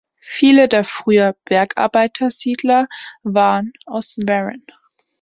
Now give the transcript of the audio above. Viele der früher Bergarbeitersiedler waren aus Warren.